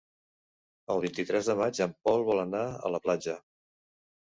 El vint-i-tres de maig en Pol vol anar a la platja.